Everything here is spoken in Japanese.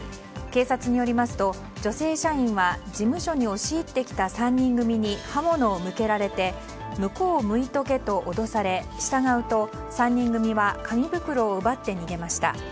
警察によりますと、女性社員は事務所に押し入ってきた３人組に刃物を向けられて向こう向いとけと脅され従うと、３人組は紙袋を奪って逃げました。